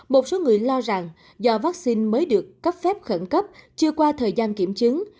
một số người lo rằng do vaccine mới được cấp phép khẩn cấp chưa qua thời gian kiểm chứng